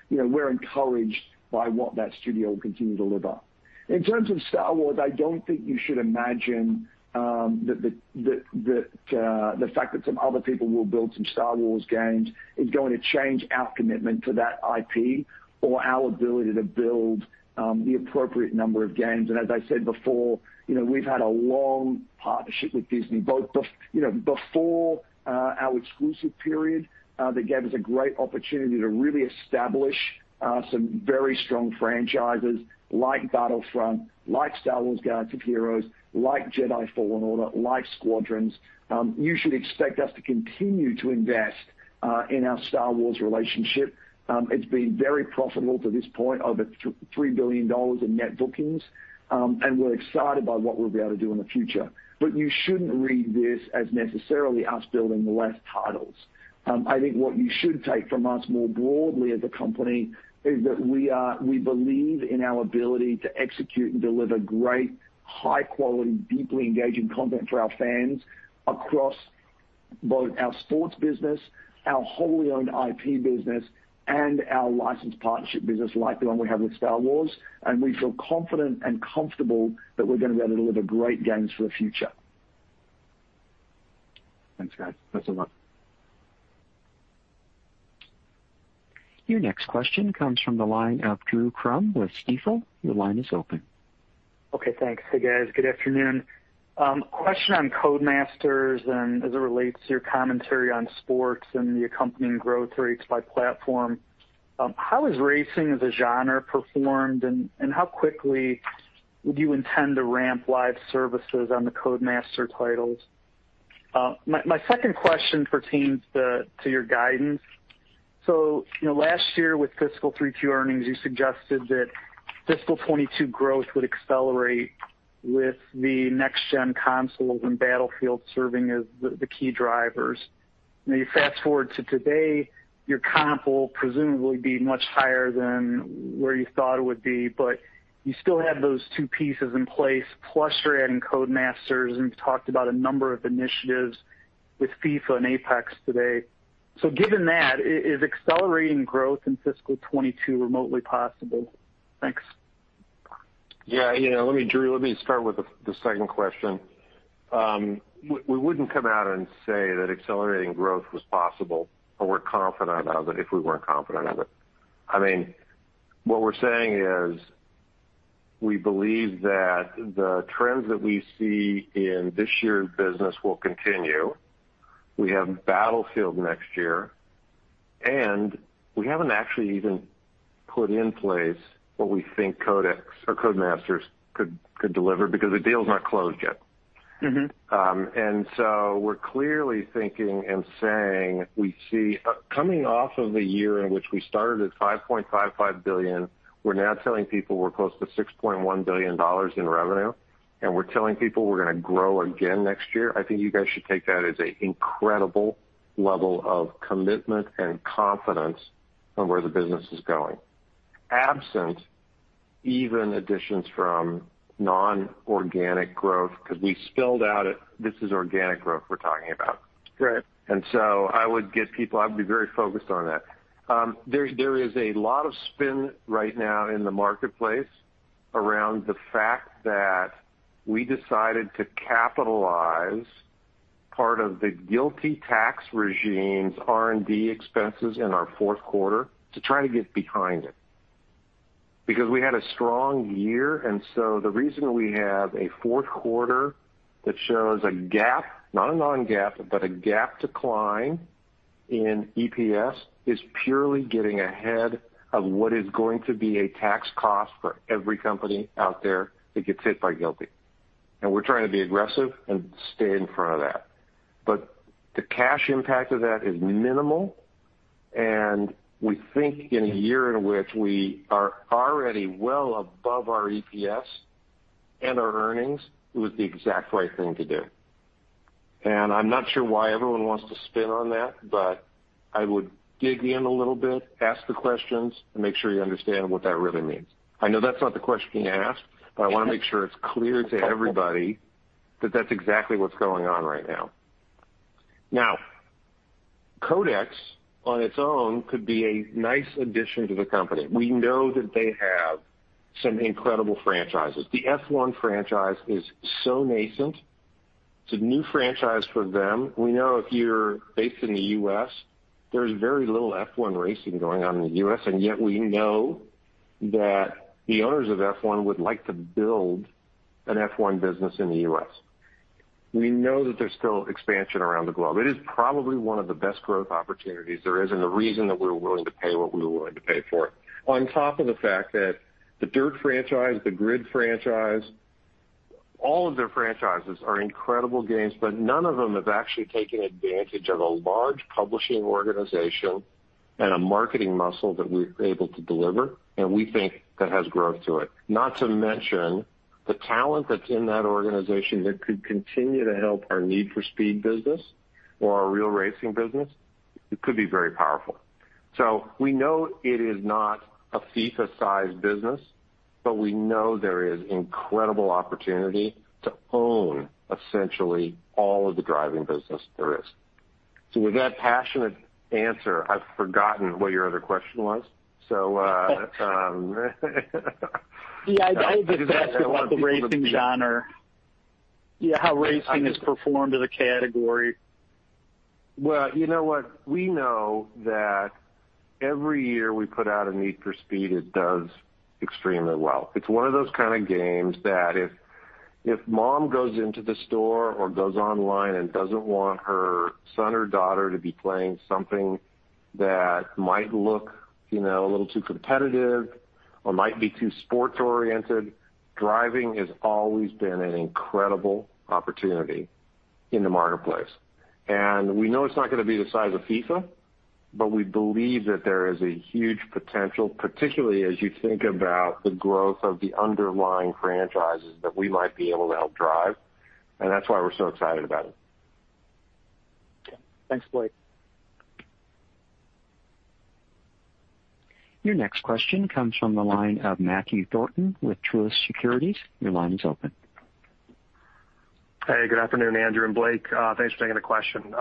We're encouraged by, what that studio will continue to deliver? In terms of Star Wars, I don't think you should imagine. That the fact that some other people, will build some Star Wars games. Is going to change our commitment to that IP. Or our ability to build, the appropriate number of games. As I said before, we've had a long partnership with Disney. Both before our exclusive period, that gave us a great opportunity. To really establish, some very strong franchises like Battlefront. Like Star Wars: Galaxy of Heroes, like Jedi: Fallen Order, like Squadrons. You should expect us to continue, to invest in our Star Wars relationship. It's been very profitable to this point, over $3 billion in net bookings. We're excited by, what we'll be able to do in the future. You shouldn't read this, as necessarily us building less titles. I think, what you should take from us? More broadly as a company, is that we believe in our ability. To execute, and deliver great, high quality, deeply engaging content for our fans across Both our sports business, our wholly-owned IP business. And our licensed partnership business, like the one we have with Star Wars. We feel confident, and comfortable. That we're going to be able, to deliver great games for the future. Thanks, guys. Thanks a lot. Your next question comes from, the line of Drew Crum with Stifel. Your line is open. Okay, thanks. Hey, guys. Good afternoon. Question on Codemasters, and as it relates to your commentary on sports. And the accompanying growth rates by platform. How has racing as a genre performed? And how quickly would you intend, to ramp live services on the Codemasters titles? My second question pertains to your guidance. Last year with fiscal 3Q earnings, you suggested that, fiscal 2022 growth would accelerate. With the next-gen consoles, and Battlefield serving as the key drivers. Now you fast-forward to today, your comp will presumably be much higher. Than where you thought it would be? But you still have those two pieces in place. You're adding Codemasters, and you've talked about. A number of initiatives with FIFA, and Apex today. Given that, is accelerating growth in fiscal 2022 remotely possible? Thanks. Yeah. Drew, let me start with the second question. We wouldn't come out, and say that accelerating growth was possible. Or we're confident of it if we weren't confident of it. I mean, what we're saying is, we believe that. The trends that we see in this year's business will continue. We have Battlefield next year, and we haven't actually even put in place. What we think Codemasters or Codemasters could deliver? Because the deal's not closed yet. We're clearly thinking, and saying coming off of a year. In which we started at $5.55 billion, we're now telling people we're close to $6.1 billion in revenue. And we're telling people, we're going to grow again next year. I think you guys should take that, as an incredible level of commitment, and confidence on where the business is going. Absent even additions from non-organic growth. Because we spelled out it, this is organic growth we're talking about. Right. I would be very focused on that. There is a lot of spin right now in the marketplace. Around the fact that, we decided to capitalize. Part of the GILTI tax regime's, R&D expenses in our fourth quarter, to try to get behind it. Because we had a strong year, and so the reason we have a fourth quarter. That shows a GAAP, not a non-GAAP. But a GAAP decline in EPS, is purely getting ahead. Of what is going to be a tax cost, for every company out there that gets hit by GILTI. We're trying to be aggressive, and stay in front of that. The cash impact of that is minimal, and we think in a year. In which we are already well, above our EPS, and our earnings. It was the exact right thing to do. I'm not sure, why everyone wants to spin on that. But I would dig in a little bit, ask the questions. And make sure you understand, what that really means? I know that's not the question you asked, but I want to make sure it's clear to everybody. That that's exactly, what's going on right now. Codemasters on its own, could be a nice addition to the company. We know that they have some incredible franchises. The F1 franchise is so nascent. It's a new franchise for them. We know if you're based in the U.S., there's very little F1 racing going on in the U.S. And yet we know, that the owners of F1 would like to build, an F1 business in the U.S. We know that there's still expansion around the globe. It is probably, one of the best growth opportunities there is. And the reason that we were willing to pay, what we were willing to pay for it. On top of the fact that the DiRT franchise, the GRID franchise. All of their franchises are incredible games. But none of them have actually taken advantage, of a large publishing organization. And a marketing muscle, that we're able to deliver. And we think, that has growth to it. Not to mention, the talent that's in that organization. That could continue to help our Need for Speed business, or our Real Racing business. It could be very powerful. We know it is not a FIFA-sized business, but we know there is incredible opportunity. To own essentially, all of the driving business there is. With that passionate answer, I've forgotten what your other question was? Yeah, I think it was about the racing genre. Yeah, how racing has performed as a category. You know what? We know that every year we put out a Need for Speed, it does extremely well. It's one of those kind of games, that if mom goes into the store or goes online. And doesn't want her son, or daughter to be playing something. That might look a little too competitive, or might be too sports-oriented. Driving has always been an incredible opportunity in the marketplace. We know it's not going to be the size of FIFA, but we believe that there is a huge potential. Particularly, as you think about the growth of the underlying franchises. That we might be able to help drive, and that's why we're so excited about it. Thanks, Blake. Your next question comes from, the line of Matthew Thornton with Truist Securities. Your line is open. Hey, good afternoon, Andrew and Blake. Thanks for taking the question.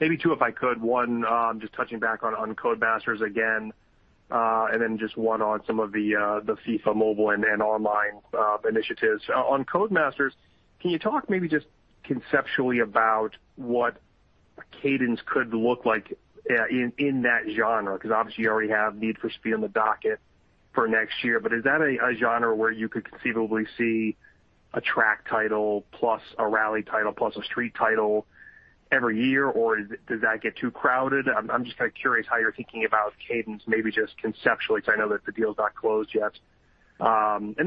Maybe two, if I could. One, just touching back on Codemasters again, and then just one on some of the FIFA Mobile, and online initiatives. On Codemasters, can you talk maybe just conceptually about. What a cadence could look like in that genre? Obviously, you already have Need for Speed on the docket for next year. Is that a genre, where you could conceivably see? A track title plus, a rally title plus a street title every year. Or does that get too crowded? I'm just kind of curious, how you're thinking about cadence? Maybe just conceptually, because I know that the deal's not closed yet.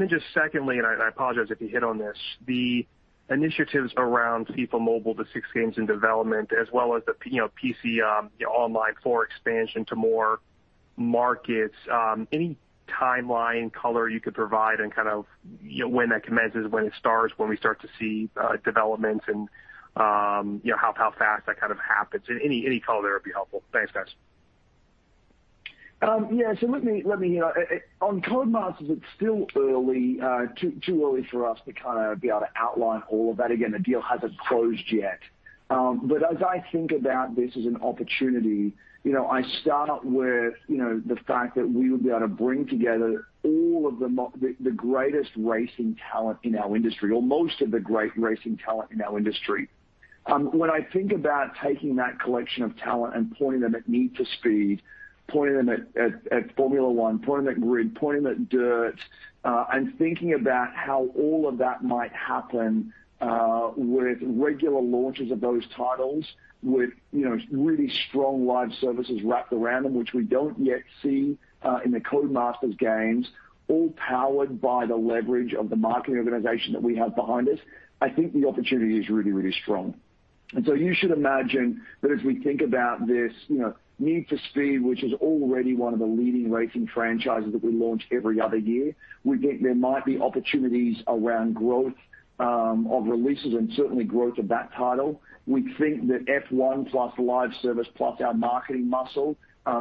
Just secondly, and I apologize if you hit on this. The initiatives around FIFA Mobile, the six games in development. As well as the FIFA Online Four expansion, to more markets. Any timeline color you could provide, and when that commences? When it starts? When we start to see developments? And how fast that kind of happens? Any color there would be helpful. Thanks, guys. Yeah, let me. On Codemasters, it's still too early for us, to be able to outline all of that. Again, the deal hasn't closed yet. As I think about this as an opportunity. I start with the fact, that we would be able to bring together. All of the greatest racing talent in our industry, or most of the great racing talent in our industry. When I think about taking that collection of talent, and pointing them at Need for Speed. Pointing them at Formula One, pointing them at GRID, pointing them at DiRT. And thinking about, how all of that might happen? With regular launches of those titles, with really strong live services wrapped around them. Which we don't yet see, in the Codemasters games. All powered by the leverage of the marketing organization, that we have behind us. I think the opportunity is really, really strong. You should imagine, that as we think about this, Need for Speed. Which is already one of the leading racing franchises, that we launch every other year. We think there might be opportunities around growth of releases, and certainly growth of that title. We think that F1 plus live service, plus our marketing muscle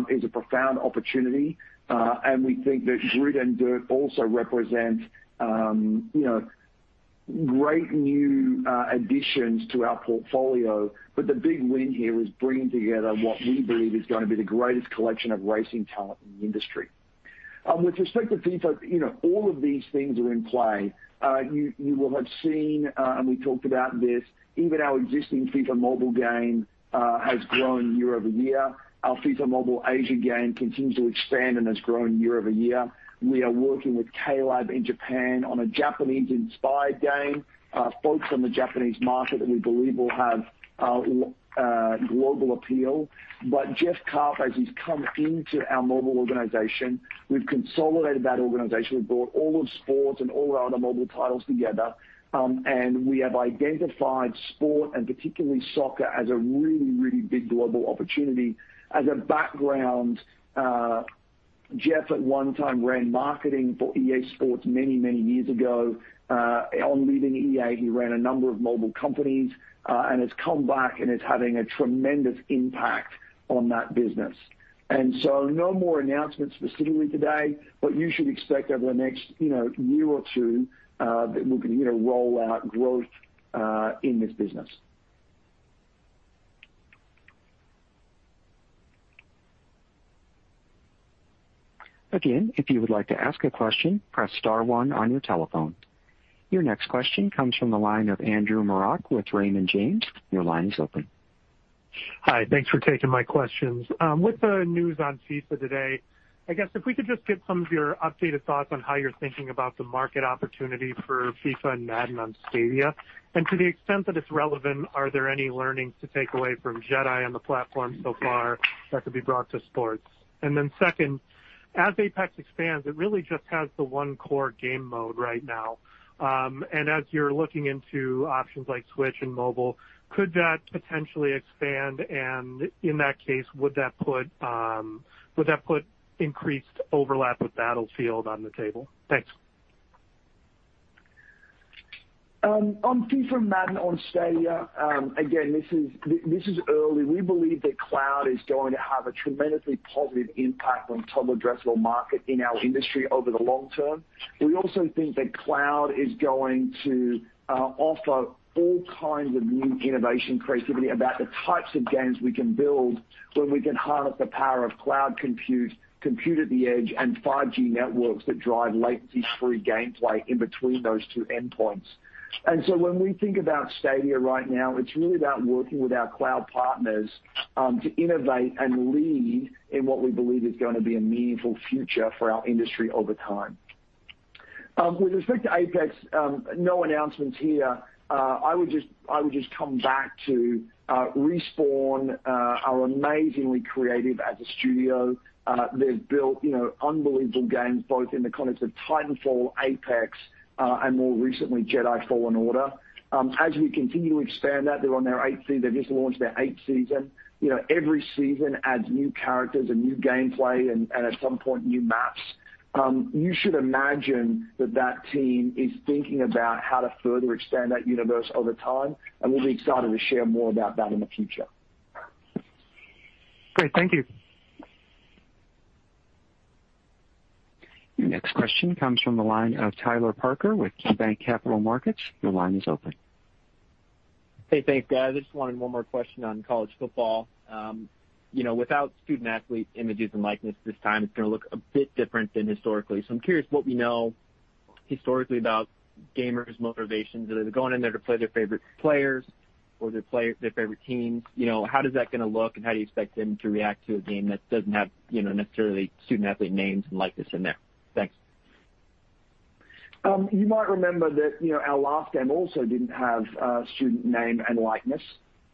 is a profound opportunity. We think that GRID, and DiRT also represent great new additions to our portfolio. The big win here is bringing together, what we believe is? Going to be the greatest collection, of racing talent in the industry. With respect to FIFA, all of these things are in play. You will have seen, and we talked about this. Even our existing FIFA Mobile game, has grown year-over-year. Our FIFA Mobile Asia game continues to expand, and has grown year-over-year. We are working with KLab in Japan on a Japanese-inspired game. Focused on the Japanese market, that we believe will have global appeal. Jeff Karp, as he's come into our mobile organization. We've consolidated that organization. We've brought all of sports, and all our other mobile titles together. We have identified sport, and particularly soccer. As a really, really big global opportunity. As a background, Jeff at one time ran marketing for EA SPORTS many, many years ago. On leaving EA, he ran a number of mobile companies. And has come back, and is having a tremendous impact on that business. No more announcements specifically today, but you should expect over the next year or two. That we're going to roll out growth in this business. Again, if you would like to ask a question, press star one on your telephone. Your next question comes from, the line of Andrew Marok with Raymond James. Your line is open. Hi. Thanks for taking my questions. With the news on FIFA today, I guess if we could just get some of your updated thoughts. On how you're thinking about the market opportunity for FIFA, and Madden on Stadia? To the extent that it's relevant, are there any learnings to take away from Jedi? On the platform so far, that could be brought to sports. Second, as Apex expands, it really just has the one core game mode right now. As you're looking into options like Switch, and mobile. Could that potentially expand? In that case, would that put increased overlap, with Battlefield on the table? Thanks. On FIFA, and Madden on Stadia, again, this is early. We believe that cloud is going to have, a tremendously positive impact. On total addressable market, in our industry over the long term. We also think that cloud, is going to offer all kinds of new innovation creativity. About the types of games, we can build. When we can harness, the power of cloud compute at the edge. And 5G networks that drive latency-free gameplay, in between those two endpoints. When we think about Stadia right now, it's really about working with our cloud partners to innovate, and lead. In what we believe is going to be, a meaningful future for our industry over time. With respect to Apex, no announcements here. I would just come back to Respawn, are amazingly creative as a studio. They've built unbelievable games, both in the context of Titanfall, Apex. And more recently, Jedi: Fallen Order. As we continue to expand that, they've just launched their eighth season. Every season adds new characters, and new gameplay, and at some point, new maps. You should imagine, that that team is thinking about. How to further extend that universe over time? And we'll be excited, to share more about that in the future. Great. Thank you. Your next question comes from, the line of Tyler Parker with KeyBanc Capital Markets. Your line is open. Hey, thanks guys. I just wanted one more question on college football. Without student-athlete images, and likeness. This time it's going to look a bit different than historically. I'm curious, what we know historically about gamers' motivations? Are they going in there to play their favorite players, or their favorite teams? How does that going to look? And how do you expect them to react to a game? That doesn't have necessarily student-athlete names, and likeness in there. Thanks. You might remember that our last game, also didn't have student name, and likeness.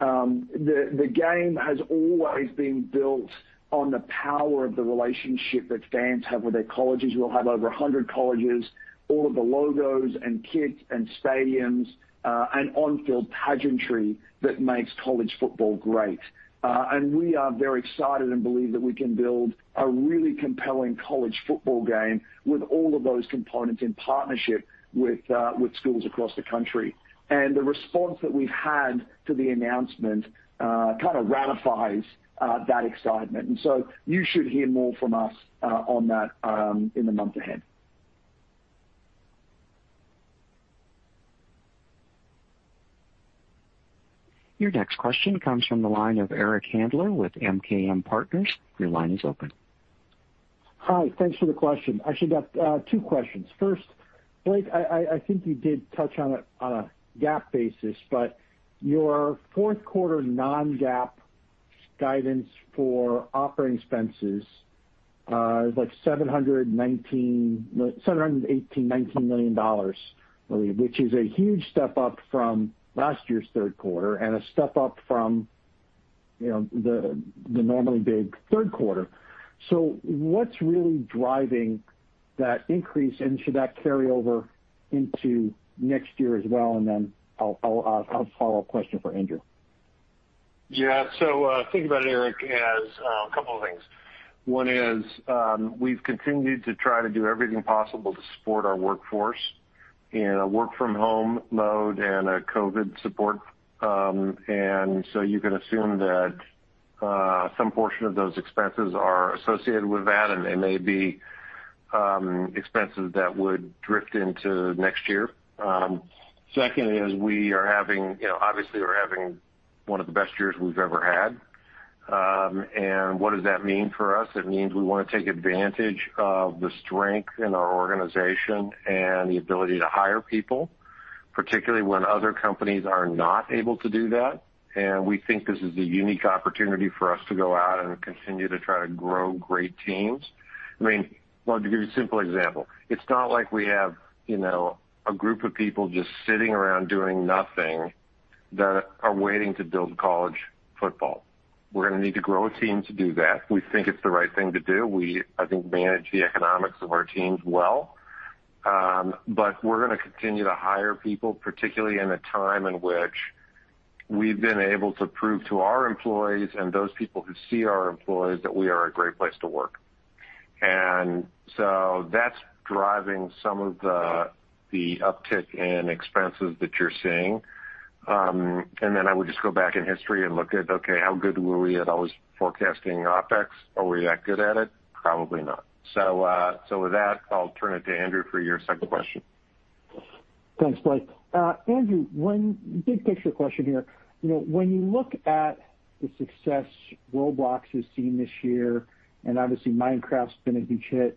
The game has always been built, on the power of the relationship, that fans have with their colleges. We'll have over 100 colleges, all of the logos, and kits, and stadiums. And on-field pageantry, that makes college football great. We are very excited, and believe that we can build. A really compelling college football game, with all of those components in partnership, with schools across the country. The response that we've had to the announcement, kind of ratifies that excitement. You should hear more from us, on that in the month ahead. Your next question comes from, the line of Eric Handler with MKM Partners. Your line is open. Hi. Thanks for the question. Actually, got two questions. First, Blake, I think you did touch on a GAAP basis. But your fourth quarter non-GAAP guidance for operating expenses. Like 719, $789 million, I believe, which is a huge step up from last year's third quarter. And a step up from, the normally big third quarter. What's really driving that increase, and should that carry over into next year as well? I'll follow up question for Andrew. Yeah. Think about it, Eric, as a couple of things. One is we've continued to try to do everything possible, to support our workforce. In a work from home mode, and a COVID support. You can assume that, some portion of those expenses are associated with that. And they may be expenses, that would drift into next year. Second is we are obviously, having one of the best years we've ever had. What does that mean for us? It means we want to take advantage. Of the strength in our organization, and the ability to hire people. Particularly, when other companies are not able to do that. We think this is a unique opportunity for us to go out, and continue to try to grow great teams. I mean, well, to give you a simple example. It's not like we have, a group of people just sitting around doing nothing. That are waiting to build college football. We're going to need to grow a team to do that. We think, it's the right thing to do. We, I think, manage the economics of our teams well. We're going to continue to hire people. Particularly, in a time in which we've been able to prove to our employees. And those people who see our employees, that we are a great place to work. That's driving some of the uptick, in expenses that you're seeing. Then I would just go back in history, and look at. Okay, how good were we at always forecasting OpEx? Are we that good at it? Probably not. With that, I'll turn it to Andrew for your second question. Thanks, Blake. Andrew, one big picture question here. When you look at, the success Roblox has seen this year? And obviously, Minecraft's been a huge hit.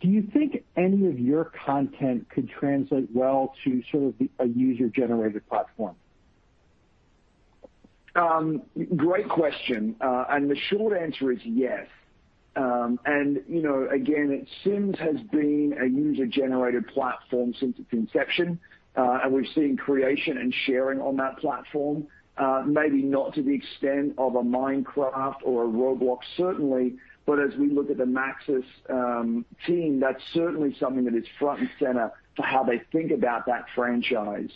Do you think any of your content, could translate well to sort of a user-generated platform? Great question. The short answer is yes. You know, again, Sims has been a user-generated platform since its inception. We've seen creation, and sharing on that platform. Maybe not to the extent of a Minecraft, or a Roblox. Certainly, but as we look at the Maxis team. That's certainly something that is front, and center. For how they think about that franchise?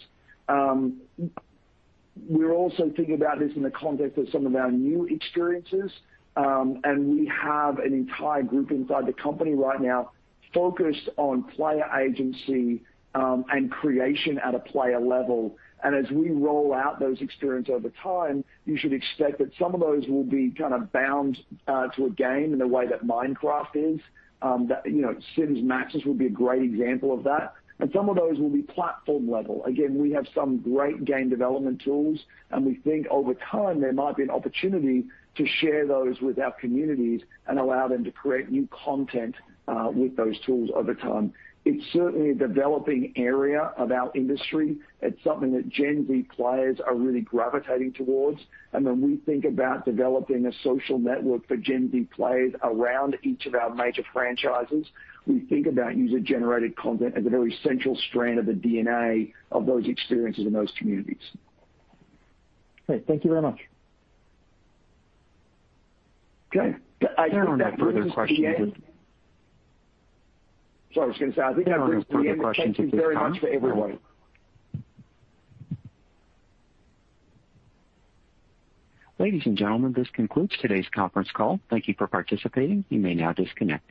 We're also thinking about this, in the context of some of our new experiences. And we have an entire group inside the company right now. Focused on player agency, and creation at a player level. As we roll out those experience over time. You should expect, that some of those will be kind of bound, to a game in the way that Minecraft is. That Sims, Maxis would be a great example of that, and some of those will be platform level. Again, we have some great game development tools. And we think over time, there might be an opportunity. To share those with our communities, and allow them to create new content, with those tools over time. It's certainly a developing area of our industry. It's something that Gen Z players, are really gravitating towards. When we think about, developing a social network for Gen Z players, around each of our major franchises. We think about user-generated content, as a very central strand of the DNA, of those experiences in those communities. Great. Thank you very much. Okay. I think that brings us to the end. There are no further questions at this. Sorry, I was going to say, I think that brings an end. There are no further questions at this time. Thank you very much to everyone. Ladies and gentlemen, this concludes today's conference call. Thank you for participating. You may now disconnect.